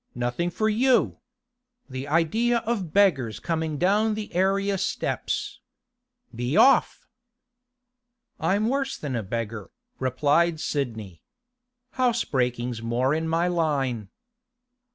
'Nothing for you! The idea of beggars coming down the area steps. Be off!' 'I'm worse than a beggar,' replied Sidney. 'Housebreaking's more in my line.